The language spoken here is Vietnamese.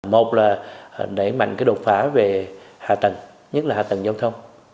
một là đẩy mạnh cái đột phá về hạ tầng nhất là hạ tầng giao thông